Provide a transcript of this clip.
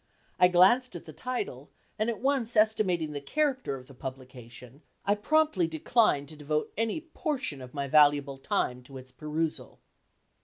I glanced at the title, and at once estimating the character of the publication, I promptly declined to devote any portion of my valuable time to its perusal.